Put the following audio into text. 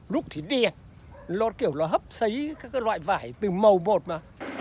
lúc thì đẹp nó kiểu nó hấp xấy các loại vải từ màu bột mà